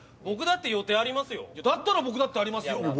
僕だって予定ありますよだったら僕だってありますよ